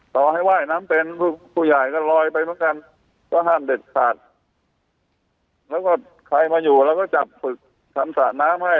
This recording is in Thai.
เราก็ห้ามเด็ดขาดแล้วก็ใครมาอยู่เราก็จับฝึกทำสระน้ำให้